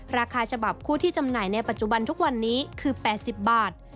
ราคาฉบับคู่ที่จำหน่ายในปัจจุบันทุกวันนี้คือ๘๐บาท